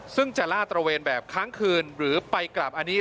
ซึ่งจะล่าตระเวนแบบค้างคืนหรือไปกลับอันนี้